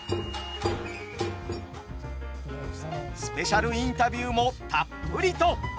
スペシャルインタビューもたっぷりと。